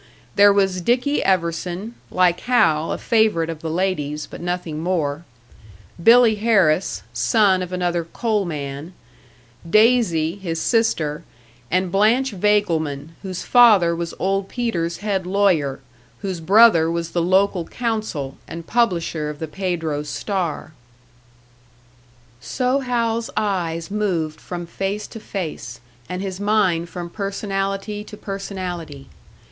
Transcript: There was "Dicky" Everson, like Hal, a favourite of the ladies, but nothing more; "Billy" Harris, son of another "coal man"; Daisy, his sister; and Blanche Vagleman, whose father was Old Peter's head lawyer, whose brother was the local counsel, and publisher of the Pedro Star. So Hal's eyes moved from face to face, and his mind from personality to personality.